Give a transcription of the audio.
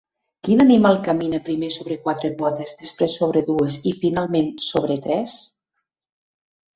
Quin animal camina primer sobre quatre potes, després sobre dues i, finalment, sobre tres?